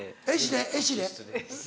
エシレ？